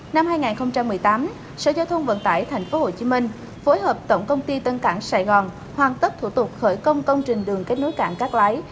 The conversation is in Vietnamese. năm hai nghìn một mươi tám sở giao thông vận tải tp hcm phối hợp tổng công ty tân cảng sài gòn hoàn tất thủ tục khởi công công trình đường kết nối cảng cát lái